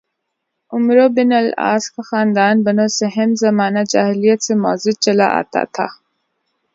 "عمروبن Al As کا خاندان "بنوسہم"زمانہ جاہلیت سے معزز چلا آتا تھا"